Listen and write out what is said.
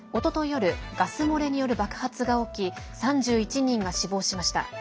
夜ガス漏れによる爆発が起き３１人が死亡しました。